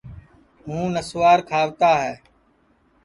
ہُوں نسوار کھاوتا ہے